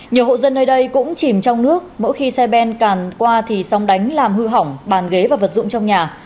nhiều hộ dân nơi đây cũng chìm trong nước mỗi khi xe ben càn qua thì sóng đánh làm hư hỏng bàn ghế và vật dụng trong nhà